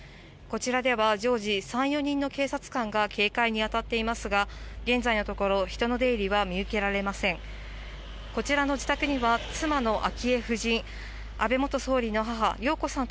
こちらでは常時、３、４人の警察官が警戒に当たっていますが、現在のところ、人の出入りは見受けられません。